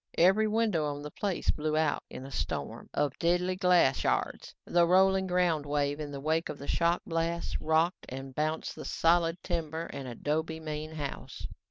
Every window on the place blew out in a storm of deadly glass shards. The rolling ground wave in the wake of the shock blast, rocked and bounced the solid, timber and adobe main house.